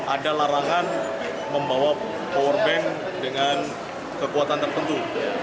ada larangan membawa powerban dengan kekuatan tertentu